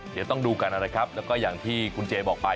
เดี๋ยวต้องดูกันนะครับแล้วก็อย่างที่คุณเจบอกไป